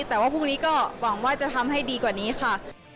แต่ว่าพรุ่งนี้ก็หวังว่าจะทำให้ดีกว่านี้ค่ะ